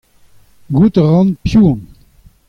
Gouzout a ran piv on.